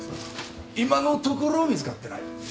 今のところ見つかってない。